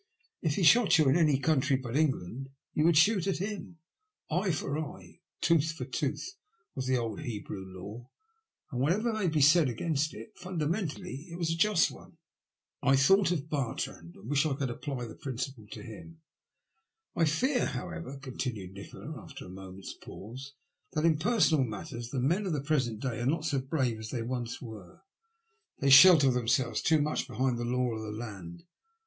If he shot at you in any country but England, you would shoot at him. Eye for eye, and tooth for tooth, was the old Hebrew law, and whatever may be said against it, fundamentally it was a just one." I thought of Bartrand, and wished I could apply the principle to him. '* I fear, however, " continued Nikola, after a moment's pause, '* that in personal matters the men of the present day are not so brave as they once were. They shelter themselves too much behind the law of the land.